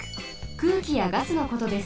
くうきやガスのことです。